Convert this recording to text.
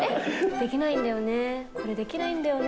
できないんだよね、これ、できないんだよね。